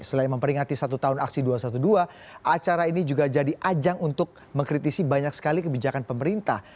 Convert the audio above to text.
selain memperingati satu tahun aksi dua ratus dua belas acara ini juga jadi ajang untuk mengkritisi banyak sekali kebijakan pemerintah